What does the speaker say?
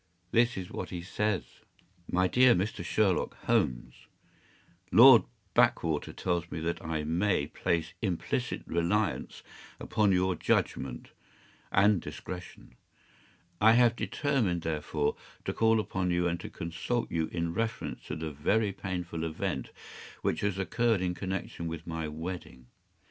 This is what he says: “‘My dear Mr. Sherlock Holmes,—Lord Backwater tells me that I may place implicit reliance upon your judgment and discretion. I have determined, therefore, to call upon you, and to consult you in reference to the very painful event which has occurred in connection with my wedding.